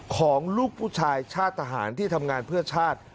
ของลูกผู้ชายชาติทหารที่ทำงานเพื่อชาติ